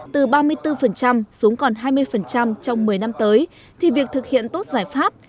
từ ba mươi bốn xuống còn hai mươi trong một mươi năm tới thì việc thực hiện tốt giải pháp